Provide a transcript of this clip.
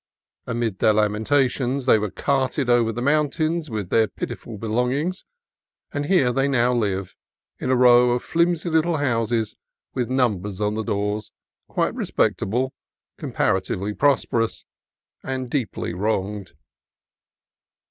Amid their lamentations they were carted over the mountains with their pitiful belongings, and here they now live, in a row of flimsy little houses, with num bers on the doors, quite respectable, comparatively prosperous, and deeply wronged.